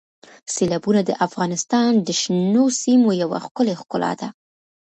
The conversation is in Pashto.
سیلابونه د افغانستان د شنو سیمو یوه ښکلې ښکلا ده.